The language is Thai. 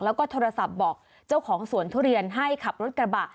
แล้วก็โทรศัพท์บอกเจ้าของสวนทุเรียนให้ขับรถกระบะ